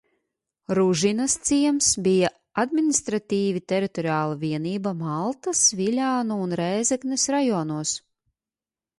Ružinas ciems bija administratīvi teritoriāla vienība Maltas, Viļānu un Rēzeknes rajonos.